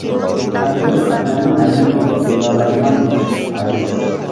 خەنزۇچە خەتلەرنىڭ ھەممىنى ئوقۇپ يازالايدىغان بولۇش ھاجەتسىز.